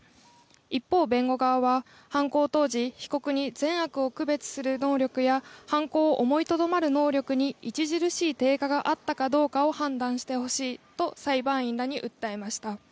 一方、弁護側は犯行当時、被告に善悪を区別する能力や犯行を思いとどまる能力に著しい低下があったかどうかを判断してほしいと裁判員らに訴えました。